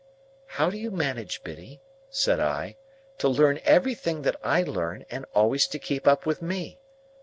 "How do you manage, Biddy," said I, "to learn everything that I learn, and always to keep up with me?"